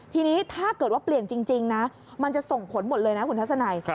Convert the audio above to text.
ทีนี้ถ้าเกิดว่าเปลี่ยนจริงนะมันจะส่งผลหมดเลยนะคุณทัศนัย